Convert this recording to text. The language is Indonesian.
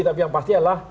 tapi yang pasti adalah